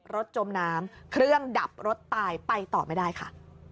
จมน้ำเครื่องดับรถตายไปต่อไม่ได้ค่ะ